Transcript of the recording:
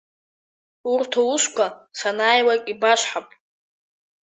Урҭ аусқәа, санааилак ибасҳәап.